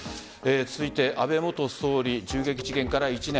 続いて安倍元総理銃撃事件から１年。